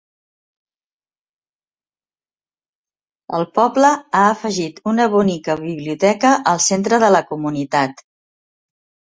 El poble ha afegit una bonica biblioteca al centre de la comunitat.